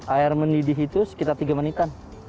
air mendidih itu sekitar tiga menitan